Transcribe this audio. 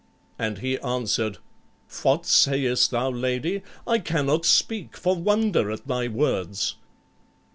And he answered, "What sayest thou, lady? I cannot speak for wonder at thy words."